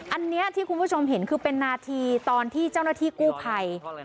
อันนี้ที่คุณผู้ชมเห็นคือเป็นนาทีตอนที่เจ้าหน้าที่กู้ภัย